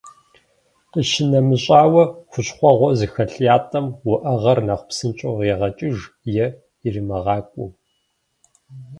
Къищынэмыщӏауэ, хущхъуэгъуэ зыхэлъ ятӏэм уӏэгъэр нэхъ псынщӏэу егъэкӏыж, е иримыгъакӏуэу.